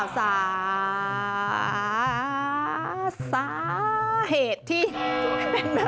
สาเหตุที่เป็นแบบนี้